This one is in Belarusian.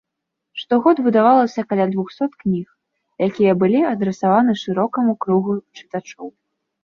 Штогод выдавалася каля двухсот кніг, якія былі адрасаваны шырокаму кругу чытачоў.